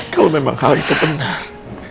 kalau memang hal itu benar